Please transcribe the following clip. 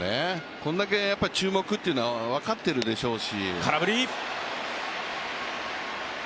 これだけ注目というのは分かってるでしょうし。